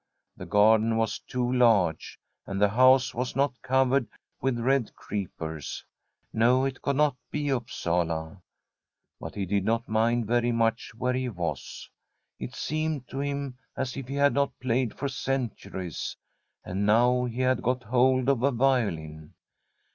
The garden was too large, and the house was not covered with red creepers. No, it could not be Upsala. But he did not mind very much where he was. It seemed to him as if he had not played for centuries, and now he had got hold of a violin.